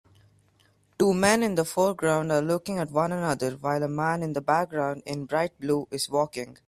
Two men in the foreground are looking at one another while a man in the background in bright blue is walking